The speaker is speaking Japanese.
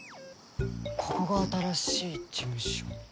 ここが新しい事務所。